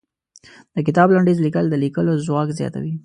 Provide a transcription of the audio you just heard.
د کتاب لنډيز ليکل د ليکلو ځواک زياتوي.